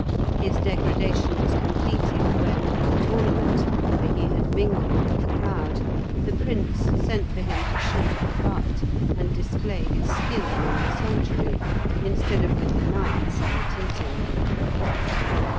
His degradation was completed when, at a tournament, where he had mingled with the crowd, the Prince sent for him to shoot at the butt, and display his skill among the soldiery, instead of with the knights in the tilting ring.